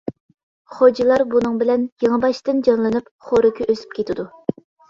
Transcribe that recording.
خوجىلار بۇنىڭ بىلەن يېڭىباشتىن جانلىنىپ خورىكى ئۆسۈپ كېتىدۇ.